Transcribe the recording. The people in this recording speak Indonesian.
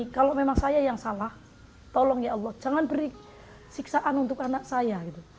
kalau memang saya yang salah tolong ya allah jangan beri siksaan untuk anak saya gitu